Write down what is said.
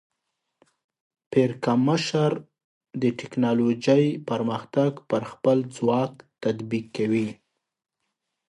پرکمشر د ټیکنالوجۍ پرمختګ پر خپل ځواک تطبیق کوي.